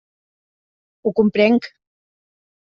Ho comprenc.